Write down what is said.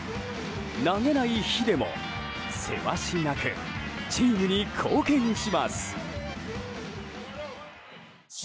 投げない日でもせわしなくチームに貢献します。